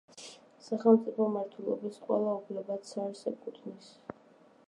სახელმწიფო მმართველობის ყველა უფლება ცარს ეკუთვნის.